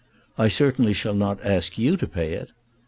"I certainly shall not ask you to pay it."